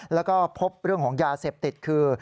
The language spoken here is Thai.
แล้วก็พบเรื่องของยาเสพติดคือ